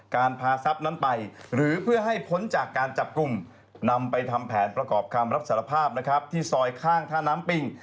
การพาทรัพย์นั้นไปหรือเพื่อให้พ้นจากการจับกลุ่มนำไปทำแผนประกอบคำรับสารภาพนะครับที่ซอยข้างท่าน้ำปิง